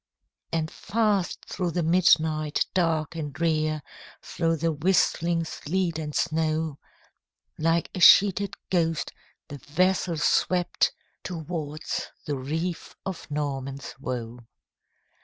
And fast through the midnight dark and drear, Through the whistling sleet and snow, Like a sheeted ghost, the vessel swept Towards the reef of Norman's Woe.